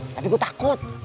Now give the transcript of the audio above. tapi gue takut